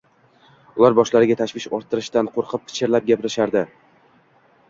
Ular boshlariga tashvish orttirishdan qo`rqib, pichirlab gaplashishardi